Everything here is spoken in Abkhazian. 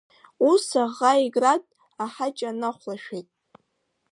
Ус аӷа иград аҳаҷа нахәлашәеит.